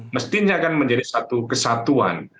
mestinya akan menjadi satu kesatuan